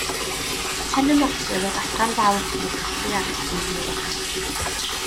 Pen y morthwyl yw'r adran fawr sy'n cysylltu â'r eingion.